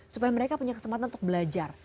supaya mereka punya kesempatan untuk belajar